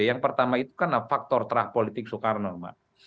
yang pertama itu karena faktor terah politik soekarno mbak